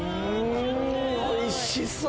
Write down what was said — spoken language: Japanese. おいしそう。